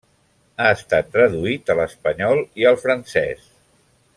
Ha estat traduït a l'espanyol i al francès.